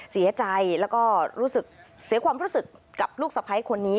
เสียใจแล้วก็รู้สึกเสียความรู้สึกกับลูกสะพ้ายคนนี้